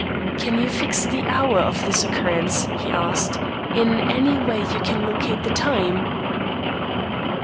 "Can you fix the hour of this occurrence?" he asked. "In any way can you locate the time?"